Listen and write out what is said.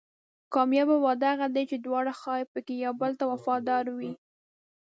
کامیابه واده هغه دی چې دواړه خواوې پکې یو بل ته وفادار وي.